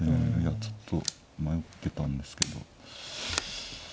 いやちょっと迷ってたんですけど。